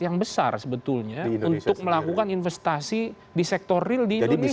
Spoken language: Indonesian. yang besar sebetulnya untuk melakukan investasi di sektor real di indonesia